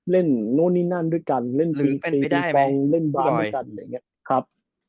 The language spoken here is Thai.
เล่นโน้นนี่นั่นด้วยกันเล่นบีเฟย์บีกองเล่นบาร์มด้วยกัน